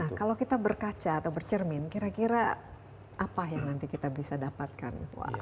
nah kalau kita berkaca atau bercermin kira kira apa yang nanti kita bisa dapatkan